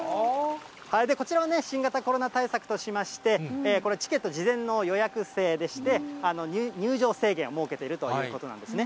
こちらのね、新型コロナ対策としまして、これ、チケット、事前の予約制でして、入場制限を設けているということなんですね。